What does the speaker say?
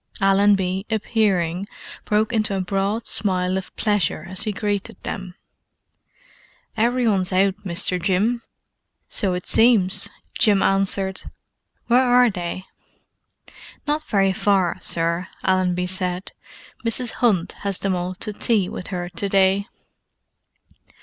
Allenby, appearing, broke into a broad smile of pleasure as he greeted them. "Every one's out, Mr. Jim." "So it seems," Jim answered. "Where are they?" "Not very far, sir," Allenby said. "Mrs. 'Unt has them all to tea with her to day."